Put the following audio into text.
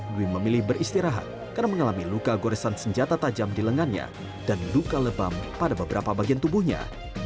dwi memilih beristirahat karena mengalami luka goresan senjata tajam di lengannya dan luka lebam pada beberapa bagian tubuhnya